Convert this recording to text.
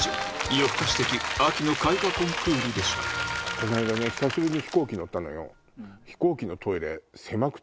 こないだね久しぶりに飛行機乗ったのよ。